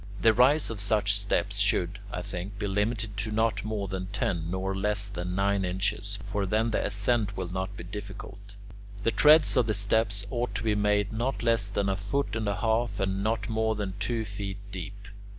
The rise of such steps should, I think, be limited to not more than ten nor less than nine inches; for then the ascent will not be difficult. The treads of the steps ought to be made not less than a foot and a half, and not more than two feet deep.